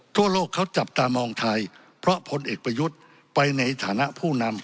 ทั่วโลกเขาจับตามองไทยเพราะผลเอกประยุทธ์ไปในฐานะผู้นำ